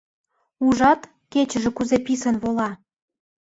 Ужат, кечыже кузе писын вола.